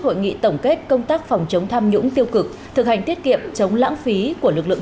hội nghị tổng kết công tác phòng chống tham nhũng tiêu cực thực hành tiết kiệm chống lãng phí của lực lượng